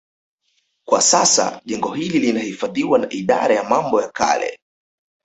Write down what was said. Kwa sasa jengo hili linahifadhiwa na Idara ya Mambo ya Kale